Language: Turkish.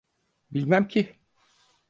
Bilmem ki.